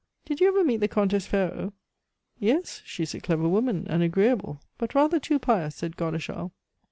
Did you ever meet the Comtesse Ferraud?" "Yes; she is a clever woman, and agreeable; but rather too pious," said Godeschal.